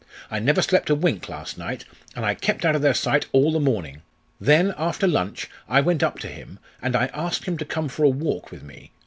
I never slept a wink last night, and I kept out of their sight all the morning. Then, after lunch, I went up to him, and I asked him to come for a walk with me.